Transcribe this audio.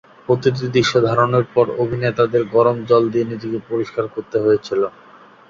প্রতিটি দৃশ্য ধারণের পর অভিনেতাদের গরম জল দিয়ে নিজেকে পরিষ্কার করতে হয়েছিল।